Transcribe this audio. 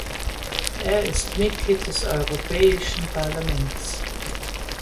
Er ist Mitglied des Europäischen Parlaments.